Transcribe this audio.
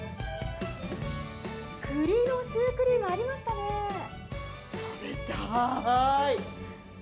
栗のシュークリーム、ありましたね、食べたーい。